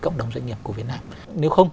cộng đồng doanh nghiệp của việt nam nếu không